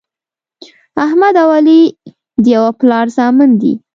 احمد او علي د یوه پلار زامن دي.